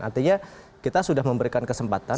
artinya kita sudah memberikan kesempatan